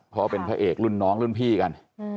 เพราะว่าเป็นพระเอกรุ่นน้องรุ่นพี่กัน